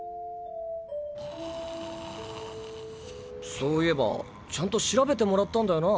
そういえばちゃんと調べてもらったんだよな？